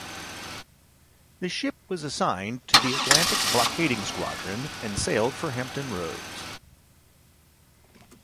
The ship was assigned to the Atlantic Blockading Squadron and sailed for Hampton Roads.